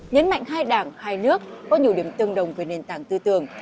nhấn mạnh hai đảng hai nước có nhiều điểm tương đồng về nền tảng tư tưởng